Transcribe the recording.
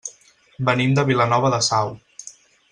Venim de Vilanova de Sau.